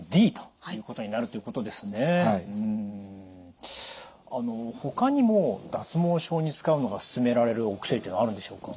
うんほかにも脱毛症に使うのが勧められるお薬っていうのはあるんでしょうか？